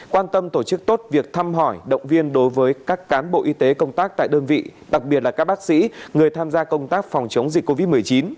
quan tâm tổ chức tốt việc thăm hỏi động viên đối với các cán bộ y tế công tác tại đơn vị đặc biệt là các bác sĩ người tham gia công tác phòng chống dịch covid một mươi chín